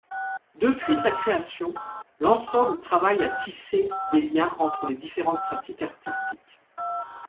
Depuis sa création, l'ensemble travaille à tisser des liens entre différentes pratiques artistiques.